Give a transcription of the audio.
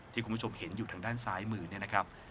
คุณผู้ชมเห็นอยู่ทางด้านซ้ายมือเนี่ยนะครับ